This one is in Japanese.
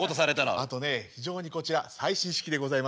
あとね非常にこちら最新式でございまして。